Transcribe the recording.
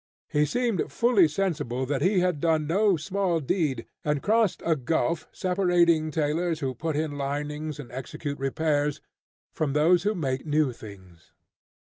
He seemed fully sensible that he had done no small deed, and crossed a gulf separating tailors who put in linings, and execute repairs, from those who make new things.